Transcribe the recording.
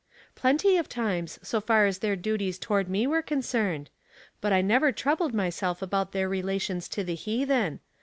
" Plenty of times, so far as their duties toward me were concerned; but I never troubled myself about their relations to the heathen.